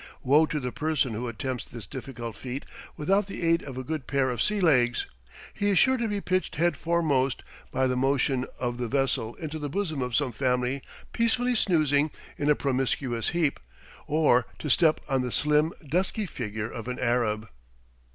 Woe to the person who attempts this difficult feat without the aid of a good pair of sea legs; he is sure to be pitched head foremost by the motion of the vessel into the bosom of some family peacefully snoozing in a promiscuous heap, or to step on the slim, dusky figure of an Arab.